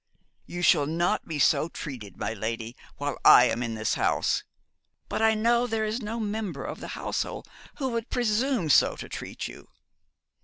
'You shall not be so treated, my lady, while I am in this house; but I know there is no member of the household who would presume so to treat you.'